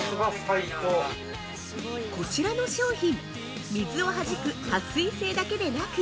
◆こちらの商品、水をはじくはっ水性だけでなく